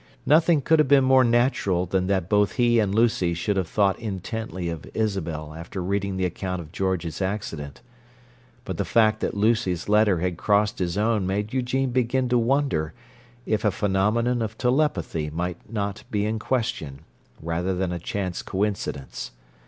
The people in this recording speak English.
Nothing could have been more natural than that both he and Lucy should have thought intently of Isabel after reading the account of George's accident, but the fact that Lucy's letter had crossed his own made Eugene begin to wonder if a phenomenon of telepathy might not be in question, rather than a chance coincidence.